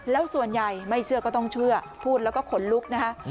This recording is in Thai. แล้วส่วนใหญ่ไม่เชื่อก็ต้องเชื่อพูดแล้วก็ขนลุกนะคะ